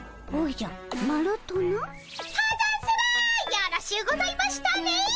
よろしゅうございましたね！